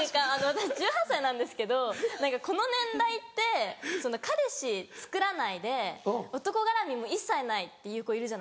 私１８歳なんですけどこの年代って彼氏つくらないで男がらみも一切ないっていう子いるじゃないですか。